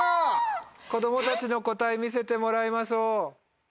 子供たちの答え見せてもらいましょう。